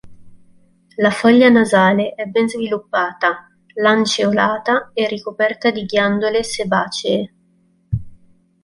La foglia nasale è ben sviluppata, lanceolata e ricoperta di ghiandole sebacee.